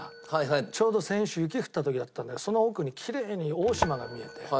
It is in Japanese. ちょうど先週雪降った時だったんだけどその奥にきれいに大島が見えて。